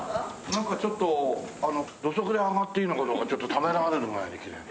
なんかちょっと土足で上がっていいのかどうかちょっとためらわれるぐらいにきれい。